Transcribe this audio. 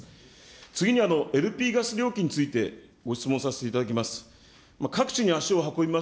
次に、ＬＰガス料金についてご質問させていただきます。